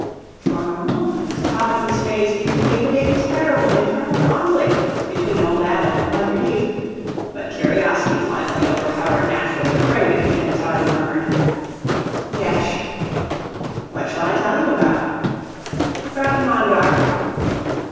For a moment Toddie's face indicated a terrible internal conflict between old Adam and mother Eve, but curiosity finally overpowered natural depravity, and Toddie murmured: "Yesh." "What shall I tell you about?" "'Bout Nawndeark."